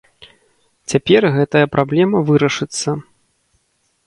Цяпер гэтая праблема вырашыцца.